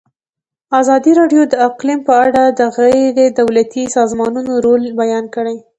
ازادي راډیو د اقلیم په اړه د غیر دولتي سازمانونو رول بیان کړی.